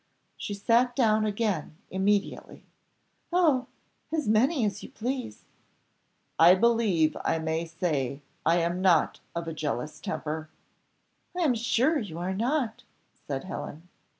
She sat down again immediately. "Oh! as many as you please." "I believe I may say I am not of a jealous temper." "I am sure you are not," said Helen.